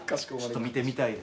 見てみたい。